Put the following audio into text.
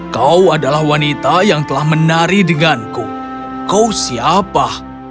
kau adalah wanita yang telah menari denganku kau siapa